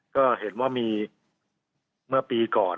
ก็เห็นว่ามีเมื่อปีก่อน